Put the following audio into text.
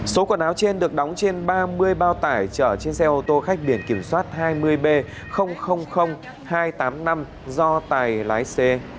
số quần áo trên được đóng trên ba mươi bao tải chở trên xe ô tô khách biển kiểm soát hai mươi b hai trăm tám mươi năm do tài lái xe